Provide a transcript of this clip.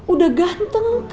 udah ganteng kak